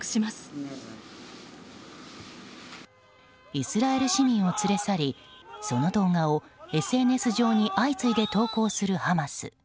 イスラエル市民を連れ去りその動画をＳＮＳ上に相次いで投稿するハマス。